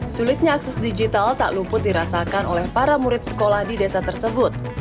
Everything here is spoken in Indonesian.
sulitnya akses digital tak luput dirasakan oleh para murid sekolah di desa tersebut